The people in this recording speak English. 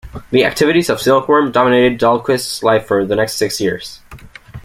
The activities of Silkworm dominated Dahlquist's life for the next six years.